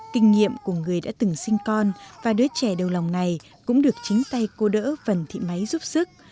kinh nghiệm của người đã từng sinh con và đứa trẻ đầu lòng này cũng được chính tay cô đỡ phần thị máy giúp sức